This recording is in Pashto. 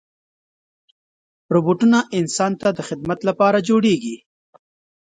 روبوټونه انسان ته د خدمت لپاره جوړېږي.